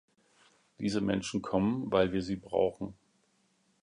Diese Menschen kommen, weil wir sie brauchen.